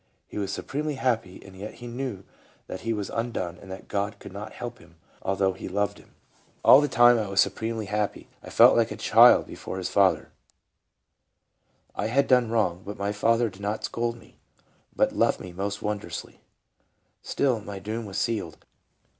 He was supremely happy, and yet he knew that he was undone and that God could not help him, although He loved him. " All the time I was supremely happy; I felt like a little child before his father : I had done wrong, but my Father did not scold me, but loved me most wondronsly. Still my doom was sealed.